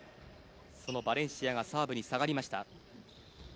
そのバレンシアがサーブに下がりました。